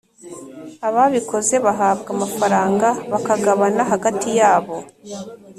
Ababikoze bahabwa amafaranga bakagabana hagati yabo